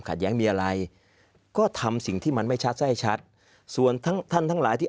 แย้งมีอะไรก็ทำสิ่งที่มันไม่ชัดให้ชัดส่วนทั้งท่านทั้งหลายที่